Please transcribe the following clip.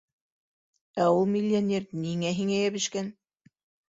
Ә ул миллионер ниңә һиңә йәбешкән?